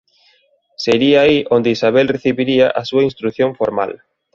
Seria aí onde Isabel recibiría a súa instrución formal.